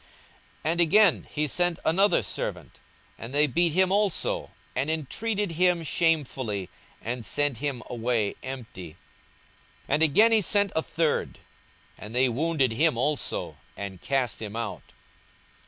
42:020:011 And again he sent another servant: and they beat him also, and entreated him shamefully, and sent him away empty. 42:020:012 And again he sent a third: and they wounded him also, and cast him out.